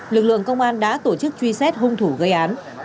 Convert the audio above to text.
lực lượng công an đã tổ chức truy xét hung thủ gây án